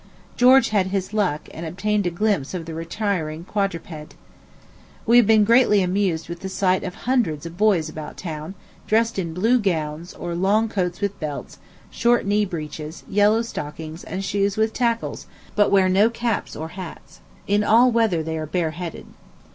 George had his luck, and obtained a glimpse of the retiring quadruped. We have been greatly amused with the sight of hundreds of boys about town, dressed in blue gowns, or long coats with belts, short knee breeches, yellow stockings, and shoes with tackles, but wear no caps or hats. In all weathers they are bareheaded.